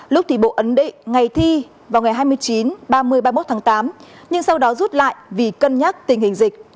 lúc thì bộ ấn định ngày thi vào ngày hai mươi chín ba mươi ba mươi một tháng tám nhưng sau đó rút lại vì cân nhắc tình hình dịch